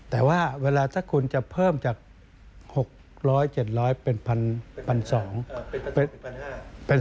แต่ว่าเวลาถ้าคุณจะเพิ่มจาก๖๐๐๗๐๐เป็น๑๒๐๐